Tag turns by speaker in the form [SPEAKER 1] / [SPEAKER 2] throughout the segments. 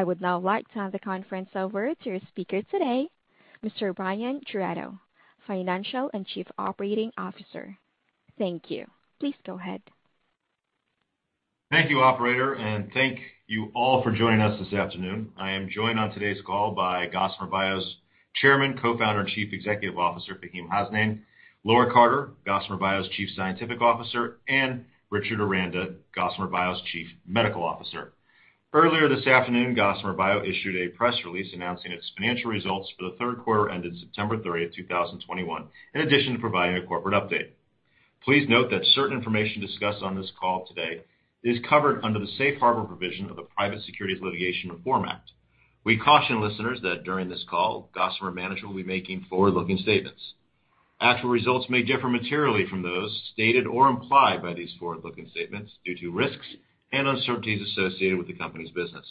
[SPEAKER 1] I would now like to hand the conference over to your speaker today, Mr. Bryan Giraudo, Financial and Chief Operating Officer. Thank you. Please go ahead.
[SPEAKER 2] Thank you, operator, and thank you all for joining us this afternoon. I am joined on today's call by Gossamer Bio's Chairman, Co-Founder, and Chief Executive Officer, Faheem Hasnain, Laura Carter, Gossamer Bio's Chief Scientific Officer, and Richard Aranda, Gossamer Bio's Chief Medical Officer. Earlier this afternoon, Gossamer Bio issued a press release announcing its financial results for the third quarter ended September 30th, 2021, in addition to providing a corporate update. Please note that certain information discussed on this call today is covered under the safe harbor provision of the Private Securities Litigation Reform Act. We caution listeners that during this call, Gossamer management will be making forward-looking statements. Actual results may differ materially from those stated or implied by these forward-looking statements due to risks and uncertainties associated with the company's business.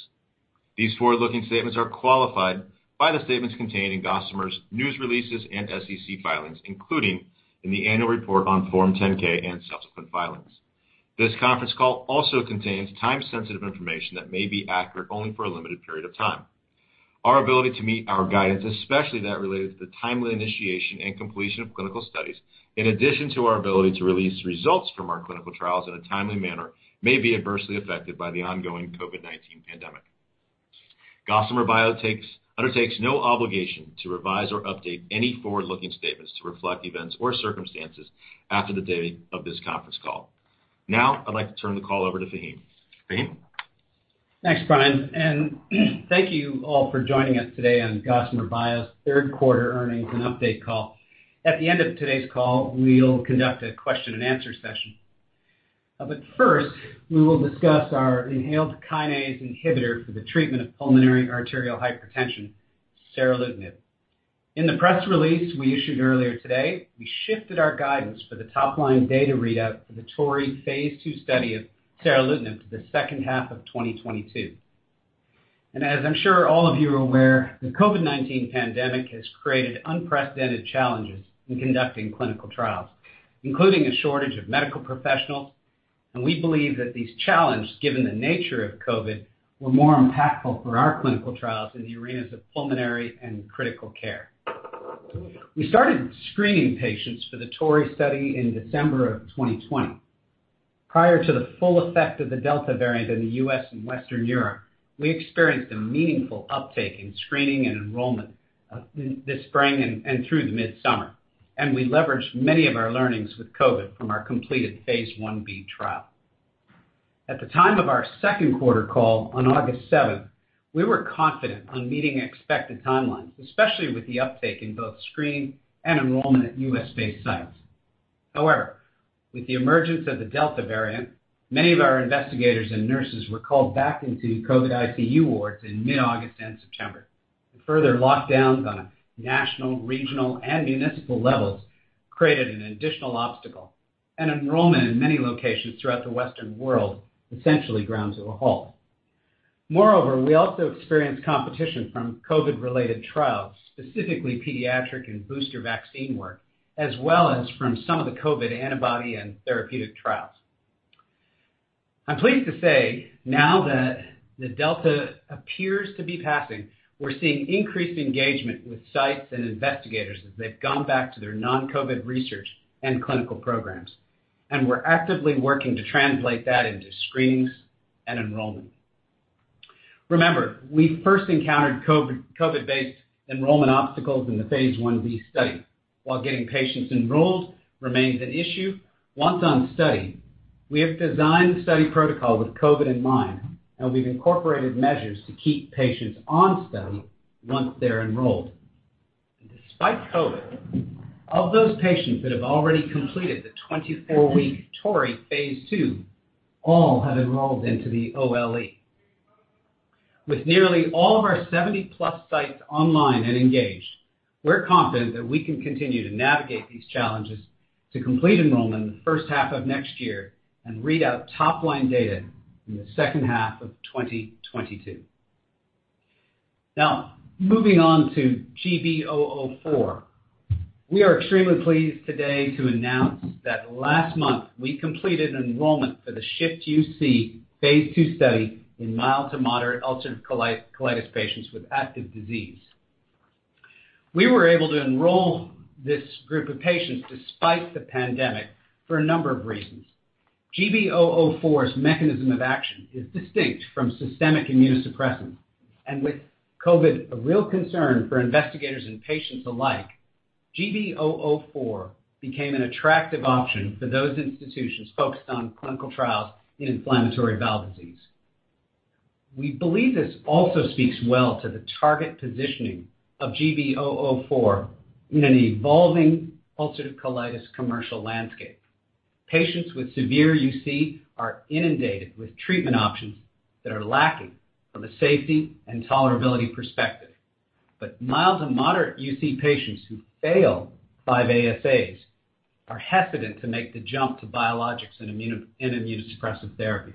[SPEAKER 2] These forward-looking statements are qualified by the statements contained in Gossamer's news releases and SEC filings, including in the annual report on Form 10-K and subsequent filings. This conference call also contains time-sensitive information that may be accurate only for a limited period of time. Our ability to meet our guidance, especially that related to the timely initiation and completion of clinical studies, in addition to our ability to release results from our clinical trials in a timely manner, may be adversely affected by the ongoing COVID-19 pandemic. Gossamer Bio undertakes no obligation to revise or update any forward-looking statements to reflect events or circumstances after the date of this conference call. Now I'd like to turn the call over to Faheem. Faheem?
[SPEAKER 3] Thanks, Brian, and thank you all for joining us today on Gossamer Bio's third quarter earnings and update call. At the end of today's call, we'll conduct a question-and-answer session. First, we will discuss our inhaled kinase inhibitor for the treatment of pulmonary arterial hypertension, seralutinib. In the press release we issued earlier today, we shifted our guidance for the top-line data readout for the TORREY phase II study of seralutinib to the second half of 2022. As I'm sure all of you are aware, the COVID-19 pandemic has created unprecedented challenges in conducting clinical trials, including a shortage of medical professionals. We believe that these challenges, given the nature of COVID, were more impactful for our clinical trials in the arenas of pulmonary and critical care. We started screening patients for the TORREY study in December 2020. Prior to the full effect of the Delta variant in the U.S. and Western Europe, we experienced a meaningful uptake in screening and enrollment this spring and through the midsummer, and we leveraged many of our learnings with COVID from our completed phase I-B trial. At the time of our second quarter call on August 7th, we were confident on meeting expected timelines, especially with the uptake in both screen and enrollment at U.S.-based sites. However, with the emergence of the Delta variant, many of our investigators and nurses were called back into COVID ICU wards in mid-August and September. Further lockdowns on a national, regional, and municipal levels created an additional obstacle, and enrollment in many locations throughout the Western world essentially ground to a halt. Moreover, we also experienced competition from COVID-related trials, specifically pediatric and booster vaccine work, as well as from some of the COVID antibody and therapeutic trials. I'm pleased to say now that the Delta appears to be passing, we're seeing increased engagement with sites and investigators as they've gone back to their non-COVID research and clinical programs. We're actively working to translate that into screenings and enrollment. Remember, we first encountered COVID-based enrollment obstacles in the phase I-B study. While getting patients enrolled remains an issue, once on study, we have designed the study protocol with COVID in mind, and we've incorporated measures to keep patients on study once they're enrolled. Despite COVID, of those patients that have already completed the 24-week TORREY phase II, all have enrolled into the OLE. With nearly all of our 70+ sites online and engaged, we're confident that we can continue to navigate these challenges to complete enrollment in the first half of next year and read out top-line data in the second half of 2022. Now, moving on to GB004. We are extremely pleased today to announce that last month we completed enrollment for the SHIFT-UC phase II study in mild-to-moderate ulcerative colitis patients with active disease. We were able to enroll this group of patients despite the pandemic for a number of reasons. GB004's mechanism of action is distinct from systemic immunosuppressants. With COVID a real concern for investigators and patients alike, GB004 became an attractive option for those institutions focused on clinical trials in inflammatory bowel disease. We believe this also speaks well to the target positioning of GB004 in an evolving ulcerative colitis commercial landscape. Patients with severe UC are inundated with treatment options that are lacking from a safety and tolerability perspective. Mild to moderate UC patients who fail 5-ASAs are hesitant to make the jump to biologics and immunosuppressive therapies.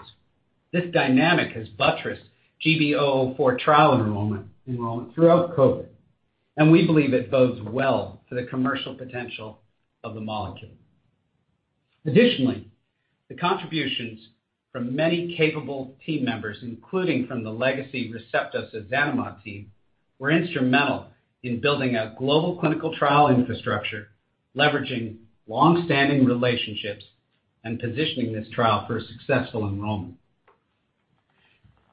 [SPEAKER 3] This dynamic has buttressed GB004 trial enrollment throughout COVID, and we believe it bodes well for the commercial potential of the molecule. Additionally, the contributions from many capable team members, including from the legacy Receptos Azanamat team, were instrumental in building a global clinical trial infrastructure, leveraging long-standing relationships and positioning this trial for a successful enrollment.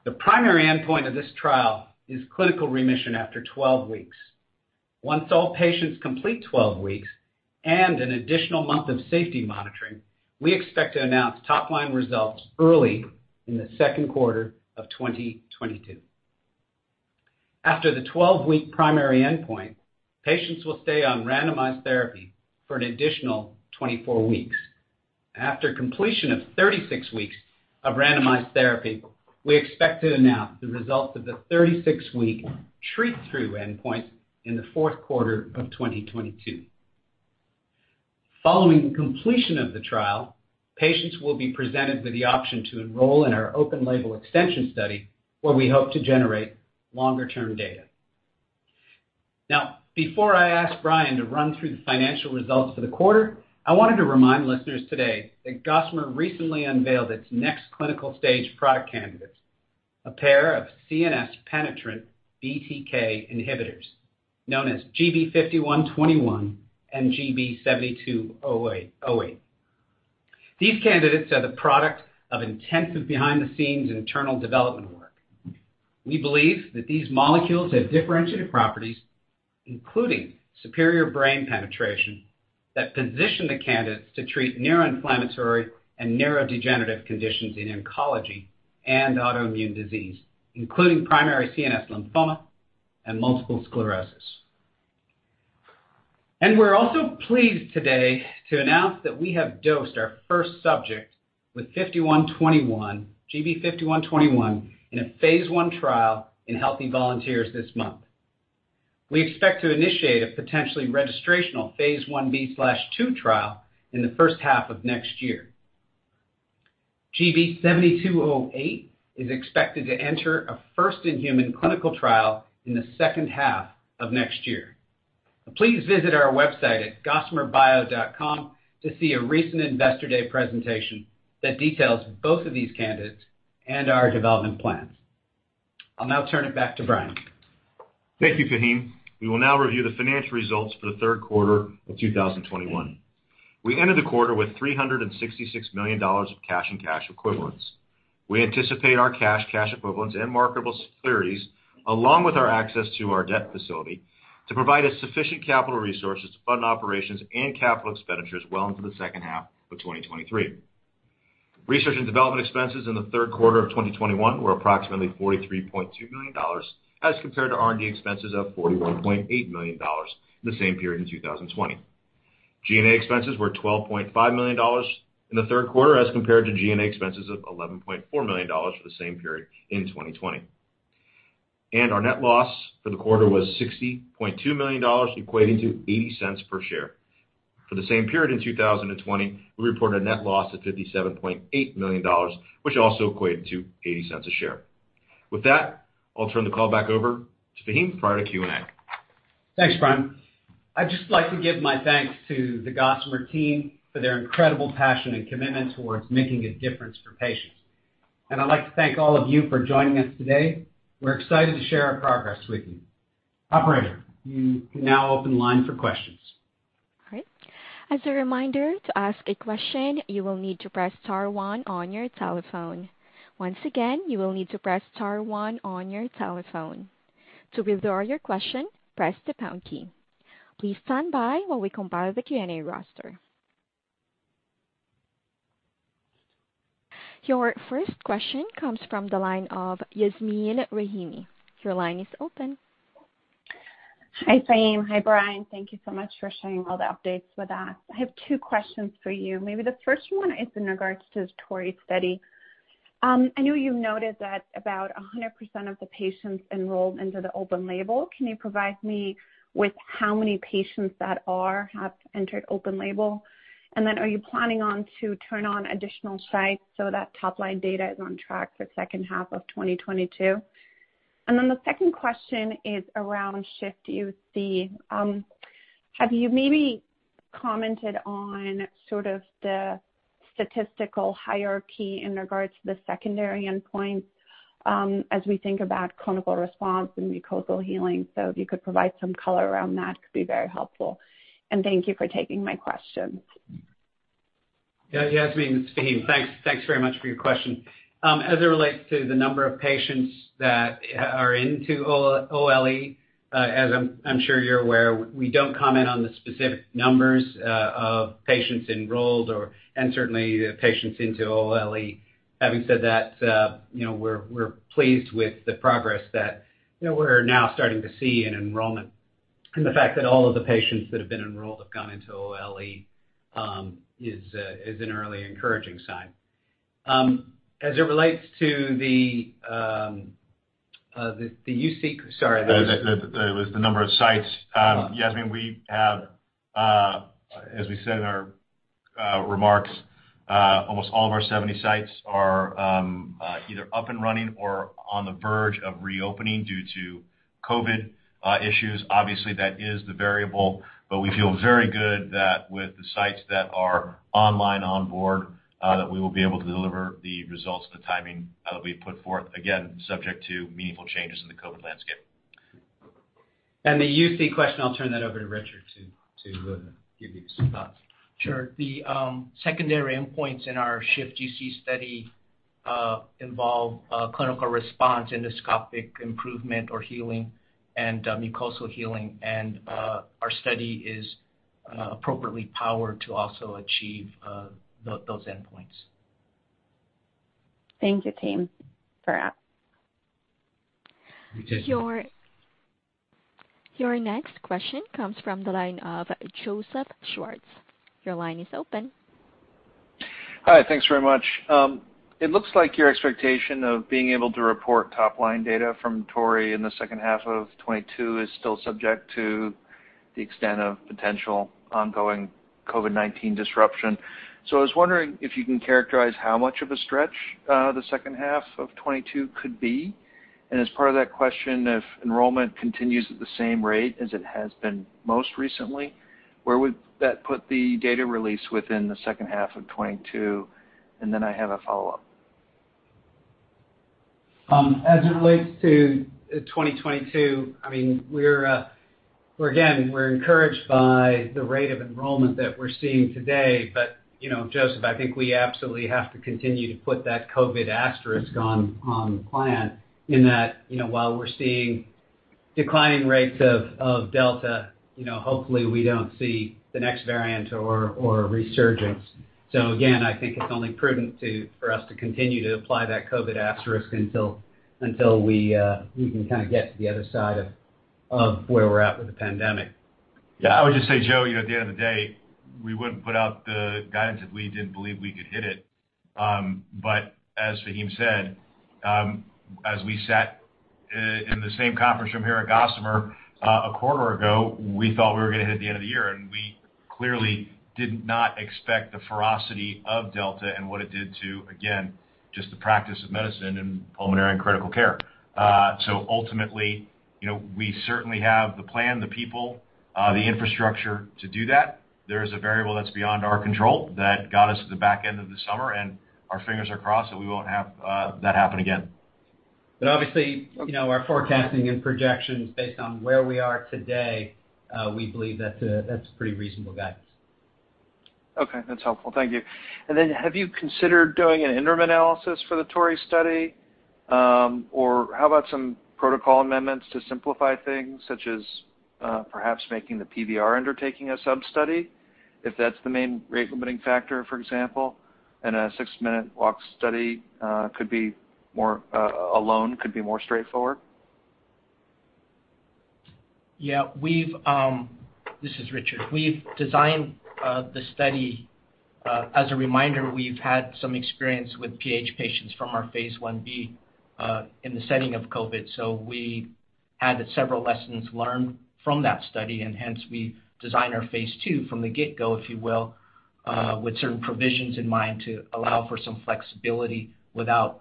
[SPEAKER 3] The primary endpoint of this trial is clinical remission after 12 weeks. Once all patients complete 12 weeks and an additional month of safety monitoring, we expect to announce top-line results early in the second quarter of 2022. After the 12-week primary endpoint, patients will stay on randomized therapy for an additional 24 weeks. After completion of 36 weeks of randomized therapy, we expect to announce the results of the 36-week treat-through endpoint in the fourth quarter of 2022. Following completion of the trial, patients will be presented with the option to enroll in our open label extension study, where we hope to generate longer-term data. Now, before I ask Bryan to run through the financial results for the quarter, I wanted to remind listeners today that Gossamer Bio recently unveiled its next clinical-stage product candidates, a pair of CNS-penetrant BTK inhibitors known as GB5121 and GB7208. These candidates are the product of intensive behind-the-scenes internal development work. We believe that these molecules have differentiated properties, including superior brain penetration, that position the candidates to treat neuroinflammatory and neurodegenerative conditions in oncology and autoimmune disease, including primary CNS lymphoma and multiple sclerosis. We're also pleased today to announce that we have dosed our first subject with 5121, GB5121 in a phase I trial in healthy volunteers this month. We expect to initiate a potentially registrational phase I-B/II trial in the first half of next year. GB7208 is expected to enter a first-in-human clinical trial in the second half of next year. Please visit our website at gossamerbio.com to see a recent Investor Day presentation that details both of these candidates and our development plans. I'll now turn it back to Bryan.
[SPEAKER 2] Thank you, Fahim. We will now review the financial results for the third quarter of 2021. We ended the quarter with $366 million of cash and cash equivalents. We anticipate our cash equivalents, and marketable securities, along with our access to our debt facility to provide us sufficient capital resources to fund operations and capital expenditures well into the second half of 2023. Research and development expenses in the third quarter of 2021 were approximately $43.2 million as compared to R&D expenses of $41.8 million in the same period in 2020. G&A expenses were $12.5 million in the third quarter as compared to G&A expenses of $11.4 million for the same period in 2020. Our net loss for the quarter was $60.2 million, equating to $0.80 per share. For the same period in 2020, we reported a net loss of $57.8 million, which also equated to $0.80 per share. With that, I'll turn the call back over to Faheem prior to Q&A.
[SPEAKER 3] Thanks, Bryan. I'd just like to give my thanks to the Gossamer team for their incredible passion and commitment towards making a difference for patients. I'd like to thank all of you for joining us today. We're excited to share our progress with you. Operator, you can now open line for questions.
[SPEAKER 1] All right. As a reminder, to ask a question, you will need to press star one on your telephone. Once again, you will need to press star one on your telephone. To withdraw your question, press the pound key. Please stand by while we compile the Q&A roster. Your first question comes from the line of Yasmeen Rahimi. Your line is open.
[SPEAKER 4] Hi, Faheem. Hi, Bryan. Thank you so much for sharing all the updates with us. I have two questions for you. Maybe the first one is in regards to the TORREY study. I know you've noted that about 100% of the patients enrolled into the open label. Can you provide me with how many patients that have entered open label? And then are you planning to turn on additional sites so that top-line data is on track for second half of 2022? And then the second question is around SHIFT-UC. Have you maybe commented on sort of the statistical hierarchy in regards to the secondary endpoints, as we think about clinical response and mucosal healing? So if you could provide some color around that, could be very helpful. And thank you for taking my questions.
[SPEAKER 3] Yeah. Yasmeen, this is Faheem. Thanks very much for your question. As it relates to the number of patients that are into OLE, as I'm sure you're aware, we don't comment on the specific numbers of patients enrolled or, and certainly the patients into OLE. Having said that, you know, we're pleased with the progress that, you know, we're now starting to see in enrollment. The fact that all of the patients that have been enrolled have gone into OLE is an early encouraging sign. As it relates to the UC. Sorry.
[SPEAKER 2] That was the number of sites. Yasmin, we have, as we said in our remarks, almost all of our 70 sites are either up and running or on the verge of reopening due to COVID issues. Obviously, that is the variable, but we feel very good that with the sites that are online, on board, that we will be able to deliver the results, the timing, that we put forth, again, subject to meaningful changes in the COVID landscape.
[SPEAKER 3] The UC question, I'll turn that over to Richard to give you some thoughts.
[SPEAKER 5] Sure. The secondary endpoints in our SHIFT-UC study involve clinical response, endoscopic improvement or healing, and mucosal healing. Our study is appropriately powered to also achieve those endpoints.
[SPEAKER 4] Thank you, team.
[SPEAKER 3] We did.
[SPEAKER 1] Your next question comes from the line of Joseph Schwartz. Your line is open.
[SPEAKER 6] Hi. Thanks very much. It looks like your expectation of being able to report top-line data from TORREY in the second half of 2022 is still subject to the extent of potential ongoing COVID-19 disruption. I was wondering if you can characterize how much of a stretch the second half of 2022 could be. As part of that question, if enrollment continues at the same rate as it has been most recently, where would that put the data release within the second half of 2022? I have a follow-up.
[SPEAKER 3] As it relates to 2022, I mean, we're again encouraged by the rate of enrollment that we're seeing today. You know, Joseph, I think we absolutely have to continue to put that COVID asterisk on the plan in that, you know, while we're seeing declining rates of Delta, you know, hopefully, we don't see the next variant or a resurgence. Again, I think it's only prudent for us to continue to apply that COVID asterisk until we can kind of get to the other side of where we're at with the pandemic.
[SPEAKER 2] Yeah, I would just say, Joe, you know, at the end of the day, we wouldn't put out the guidance if we didn't believe we could hit it. As Faheem said, as we sat in the same conference room here at Gossamer, a quarter ago, we thought we were gonna hit the end of the year, and we clearly did not expect the ferocity of Delta and what it did to, again, just the practice of medicine and pulmonary and critical care. Ultimately, you know, we certainly have the plan, the people, the infrastructure to do that. There is a variable that's beyond our control that got us to the back end of the summer, and our fingers are crossed that we won't have that happen again.
[SPEAKER 3] Obviously, you know, our forecasting and projections based on where we are today, we believe that that's pretty reasonable guidance.
[SPEAKER 6] Okay, that's helpful. Thank you. Have you considered doing an interim analysis for the TORREY study? Or how about some protocol amendments to simplify things, such as perhaps making the PVR undertaking a sub-study, if that's the main rate-limiting factor, for example, and a six-minute walk study could be more straightforward?
[SPEAKER 5] Yeah. This is Richard. We've designed the study. As a reminder, we've had some experience with PH patients from our phase I-B in the setting of COVID. We had several lessons learned from that study, and hence we designed our phase II from the get-go, if you will, with certain provisions in mind to allow for some flexibility without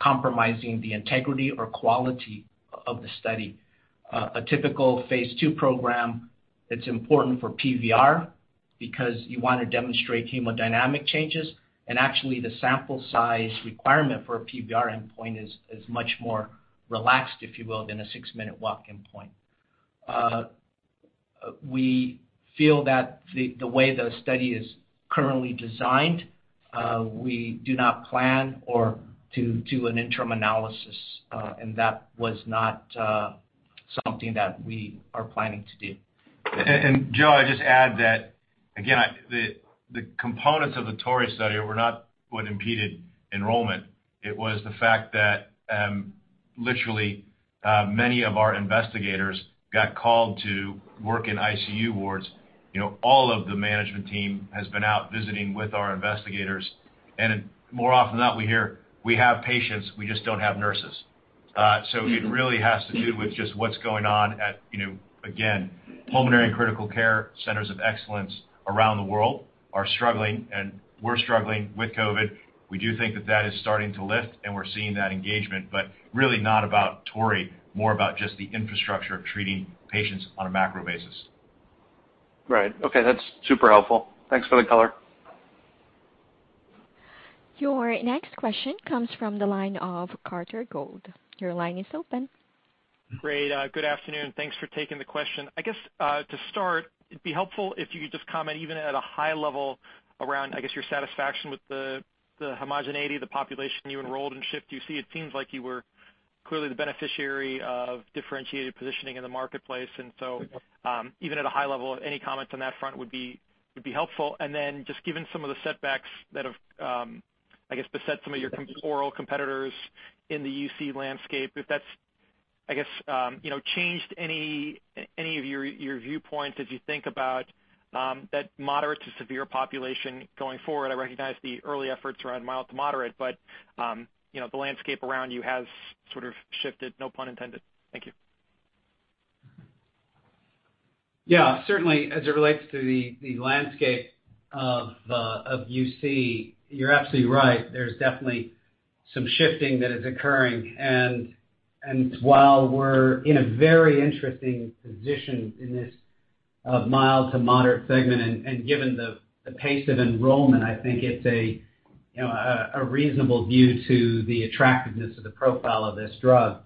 [SPEAKER 5] compromising the integrity or quality of the study. A typical phase II program, it's important for PVR because you wanna demonstrate hemodynamic changes, and actually, the sample size requirement for a PVR endpoint is much more relaxed, if you will, than a six-minute walk endpoint. We feel that the way the study is currently designed, we do not plan to do an interim analysis, and that was not something that we are planning to do.
[SPEAKER 2] Joe, I'd just add that, again, the components of the TORREY study were not what impeded enrollment. It was the fact that, literally, many of our investigators got called to work in ICU wards. You know, all of the management team has been out visiting with our investigators. And more often than not, we hear, "We have patients, we just don't have nurses." So it really has to do with just what's going on at, you know, again, pulmonary and critical care centers of excellence around the world are struggling, and we're struggling with COVID. We do think that is starting to lift and we're seeing that engagement, but really not about TORREY, more about just the infrastructure of treating patients on a macro basis.
[SPEAKER 6] Right. Okay, that's super helpful. Thanks for the color.
[SPEAKER 1] Your next question comes from the line of Carter Gould. Your line is open.
[SPEAKER 7] Great. Good afternoon. Thanks for taking the question. I guess to start, it'd be helpful if you could just comment even at a high level around, I guess, your satisfaction with the homogeneity of the population you enrolled in SHIFT-UC. It seems like you were clearly the beneficiary of differentiated positioning in the marketplace. Even at a high level, any comment on that front would be helpful. Just given some of the setbacks that have, I guess, beset some of your oral competitors in the UC landscape, if that's, I guess, you know, changed any of your viewpoints as you think about that moderate to severe population going forward. I recognize the early efforts around mild to moderate, but you know, the landscape around you has sort of shifted, no pun intended. Thank you.
[SPEAKER 3] Yeah, certainly as it relates to the landscape of UC, you're absolutely right. There's definitely some shifting that is occurring. While we're in a very interesting position in this mild to moderate segment, and given the pace of enrollment, I think it's a you know a reasonable view to the attractiveness of the profile of this drug.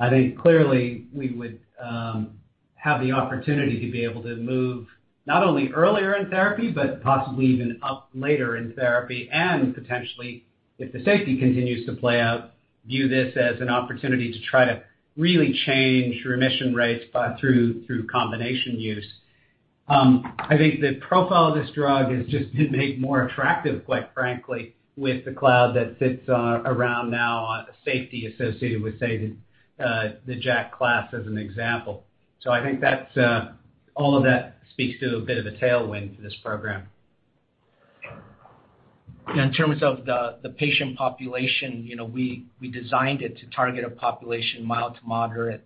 [SPEAKER 3] I think clearly we would have the opportunity to be able to move not only earlier in therapy, but possibly even up later in therapy. Potentially, if the safety continues to play out, view this as an opportunity to try to really change remission rates by through combination use. I think the profile of this drug has just been made more attractive, quite frankly, with the cloud that sits around now on safety associated with, say, the JAK class as an example. I think that's all of that speaks to a bit of a tailwind for this program. In terms of the patient population, you know, we designed it to target a population mild to moderate,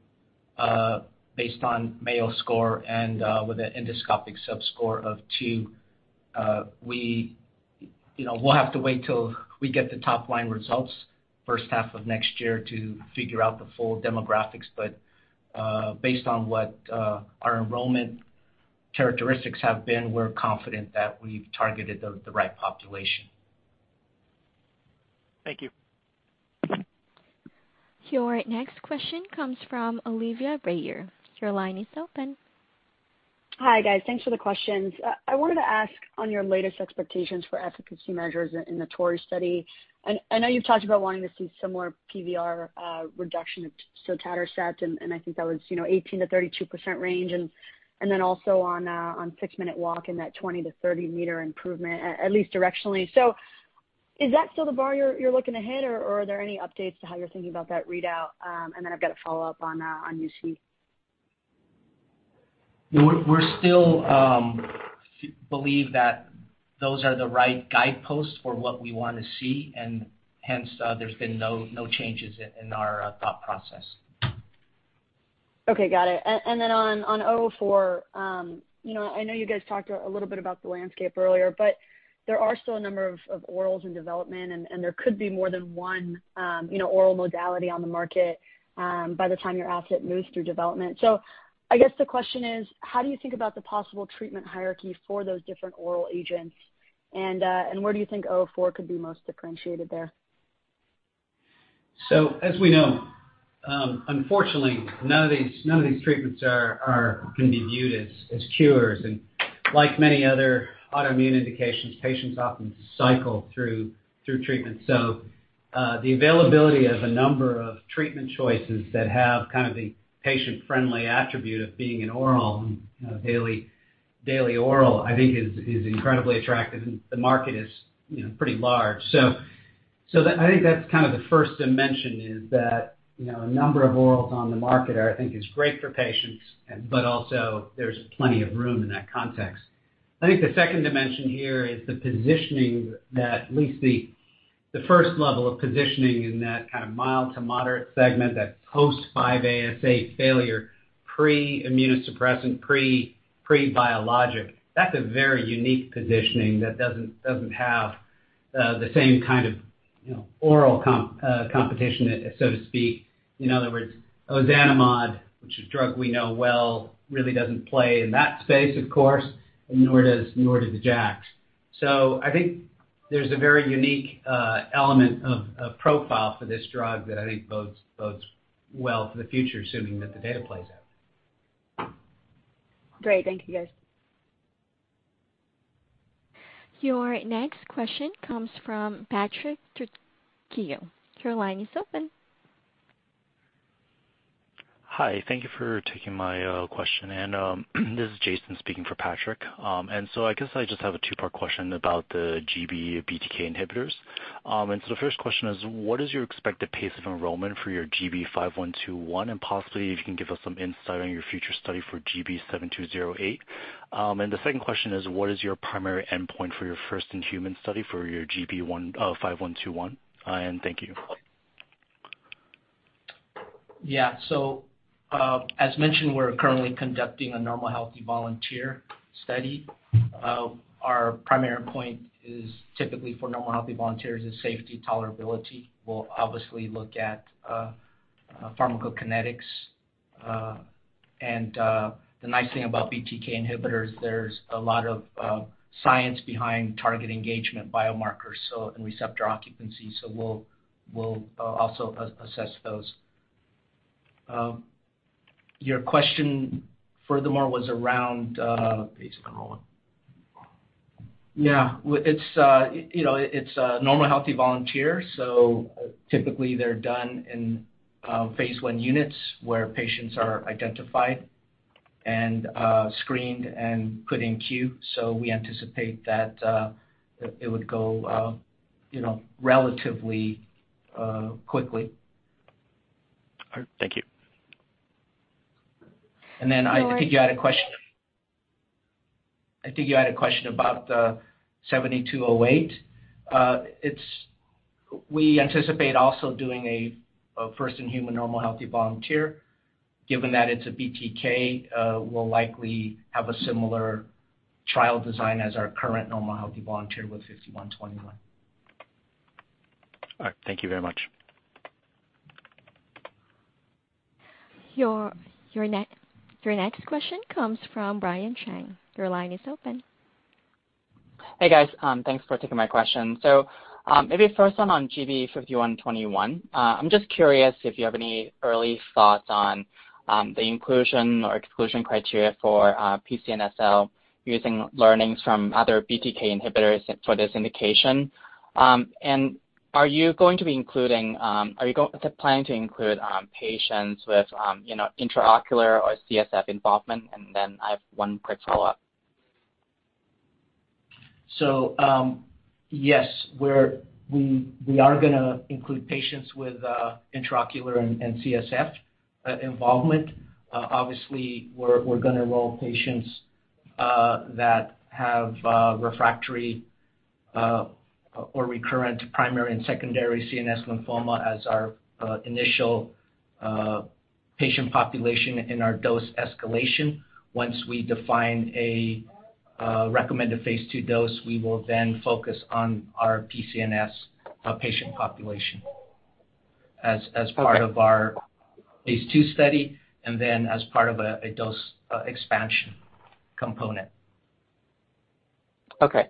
[SPEAKER 3] based on Mayo Score and, with an endoscopic subscore of two. We, you know, will have to wait till we get the top line results first half of next year to figure out the full demographics. Based on what our enrollment characteristics have been, we are confident that we have targeted the right population.
[SPEAKER 7] Thank you.
[SPEAKER 1] Your next question comes from Olivia Brayer. Your line is open.
[SPEAKER 8] Hi, guys. Thanks for the questions. I wanted to ask on your latest expectations for efficacy measures in the TORREY study. I know you've talked about wanting to see similar PVR reduction to sotatercept, and I think that was, you know, 18%-32% range. Then also on six-minute walk in that 20-30-meter improvement at least directionally. Is that still the bar you're looking to hit or are there any updates to how you're thinking about that readout? Then I've got a follow-up on UC.
[SPEAKER 3] We're still believe that those are the right guideposts for what we wanna see, and hence, there's been no changes in our thought process.
[SPEAKER 8] Okay, got it. Then on GB004, you know, I know you guys talked a little bit about the landscape earlier, but there are still a number of orals in development, and there could be more than one, you know, oral modality on the market by the time your asset moves through development. I guess the question is how do you think about the possible treatment hierarchy for those different oral agents? Where do you think GB004 could be most differentiated there?
[SPEAKER 3] As we know, unfortunately, none of these treatments can be viewed as cures. Like many other autoimmune indications, patients often cycle through treatments. The availability of a number of treatment choices that have kind of the patient-friendly attribute of being an oral, you know, daily oral, I think is incredibly attractive, and the market is, you know, pretty large. I think that's kind of the first dimension is that, you know, a number of orals on the market are, I think is great for patients, but also there's plenty of room in that context. I think the second dimension here is the positioning that at least the first level of positioning in that kind of mild-to-moderate segment, that post 5-ASA failure, pre-immunosuppressant, pre-biologic, that's a very unique positioning that doesn't have the same kind of, you know, oral competition, so to speak. In other words, ozanimod, which is a drug we know well, really doesn't play in that space, of course, and nor do the JAKs. I think there's a very unique element of profile for this drug that I think bodes well for the future, assuming that the data plays out.
[SPEAKER 8] Great. Thank you, guys.
[SPEAKER 1] Your next question comes from Patrick Trucchio. Your line is open.
[SPEAKER 9] Hi. Thank you for taking my question. This is Jason speaking for Patrick. I guess I just have a two-part question about the GB BTK inhibitors. The first question is, what is your expected pace of enrollment for your GB5121? And possibly if you can give us some insight on your future study for GB7208. The second question is, what is your primary endpoint for your first-in-human study for your GB5121? Thank you.
[SPEAKER 3] Yeah. As mentioned, we're currently conducting a normal healthy volunteer study. Our primary point is typically for normal healthy volunteers is safety tolerability. We'll obviously look at pharmacokinetics. The nice thing about BTK inhibitors, there's a lot of science behind target engagement biomarkers, so and receptor occupancy, so we'll also assess those. Your question furthermore was around pace of enrollment. Yeah, it's you know, it's a normal healthy volunteer, so typically they're done in phase I units where patients are identified and screened and put in queue. We anticipate that it would go you know, relatively quickly.
[SPEAKER 9] All right. Thank you.
[SPEAKER 3] I think you had a question about the GB7208. We anticipate also doing a first-in-human normal healthy volunteer. Given that it's a BTK, we'll likely have a similar trial design as our current normal healthy volunteer with GB5121.
[SPEAKER 9] All right, thank you very much.
[SPEAKER 1] Your next question comes from Brian Cheng. Your line is open.
[SPEAKER 10] Hey, guys. Thanks for taking my question. Maybe first one on GB5121. I'm just curious if you have any early thoughts on the inclusion or exclusion criteria for PCNSL using learnings from other BTK inhibitors for this indication. And are you going to include patients with, you know, intraocular or CSF involvement? And then I have one quick follow-up.
[SPEAKER 3] Yes, we're going to include patients with intraocular and CSF involvement. Obviously, we're going to enroll patients that have refractory or recurrent primary and secondary CNS lymphoma as our initial patient population in our dose escalation. Once we define a recommended phase II dose, we will then focus on our PCNSL patient population as part of our phase II study, and then as part of a dose expansion component.
[SPEAKER 10] Okay.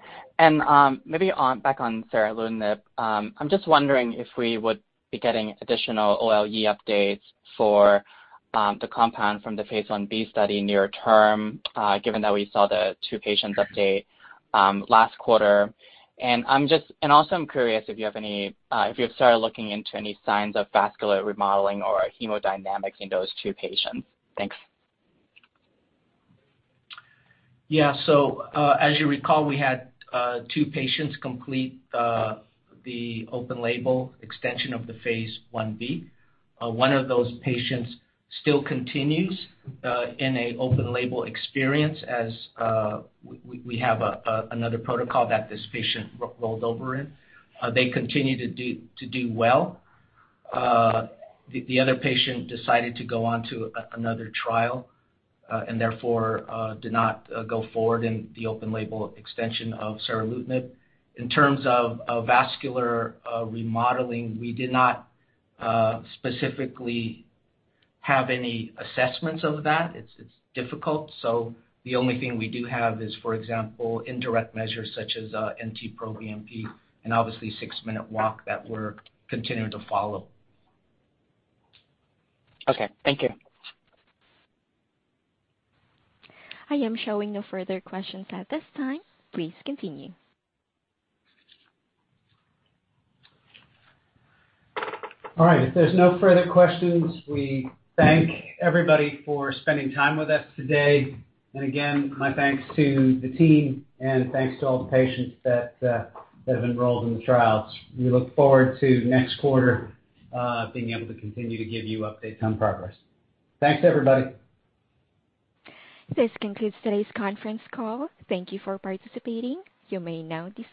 [SPEAKER 10] Maybe back on seralutinib, I'm just wondering if we would be getting additional OLE updates for the compound from the phase I-B study near term, given that we saw the two patients update last quarter. Also, I'm curious if you have started looking into any signs of vascular remodeling or hemodynamics in those two patients. Thanks.
[SPEAKER 3] Yeah. As you recall, we had two patients complete the open-label extension of the phase I-B. One of those patients still continues in an open-label experience as we have another protocol that this patient rolled over in. They continue to do well. The other patient decided to go on to another trial and therefore did not go forward in the open-label extension of seralutinib. In terms of vascular remodeling, we did not specifically have any assessments of that. It's difficult. The only thing we do have is, for example, indirect measures such as NT-proBNP and obviously six-minute walk that we're continuing to follow.
[SPEAKER 10] Okay. Thank you.
[SPEAKER 1] I am showing no further questions at this time. Please continue.
[SPEAKER 3] All right. If there's no further questions, we thank everybody for spending time with us today. Again, my thanks to the team, and thanks to all the patients that have enrolled in the trials. We look forward to next quarter being able to continue to give you updates on progress. Thanks, everybody.
[SPEAKER 1] This concludes today's conference call. Thank you for participating. You may now disconnect.